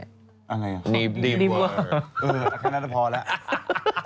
อันไงล่ะดีเบอร์ดีเบอร์เออแค่นั้นก็พอแล้ว